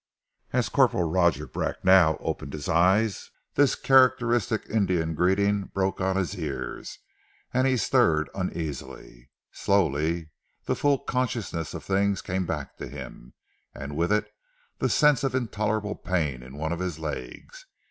As Corporal Roger Bracknell opened his eyes, this characteristic Indian greeting broke on his ears, and he stirred uneasily. Slowly the full consciousness of things came back to him, and with it the sense of intolerable pain in one of his legs.